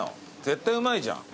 絶対うまいじゃん。